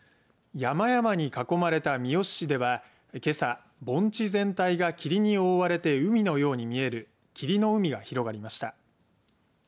山々に囲まれた三次市ではけさ、盆地全体が霧に覆われて海のように見える霧の海が広がりました。